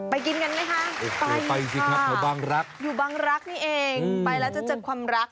ไปกินกันไหมคะไปอยู่ค่ะอยู่บางรักนี่เองไปแล้วจะเจอความรัก